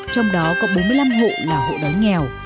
trong đó có bốn mươi năm hộ là hộ đói nghèo